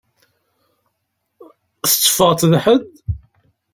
Tetteffɣeḍ d ḥedd?